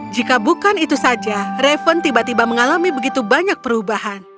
jika bukan itu saja reven tiba tiba mengalami begitu banyak perubahan